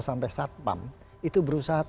sampai satpam itu berusaha